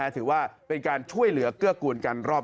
มาพอดีเลย